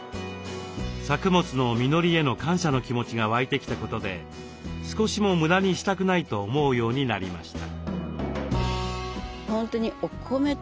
作物の実りへの感謝の気持ちが湧いてきたことで少しも無駄にしたくないと思うようになりました。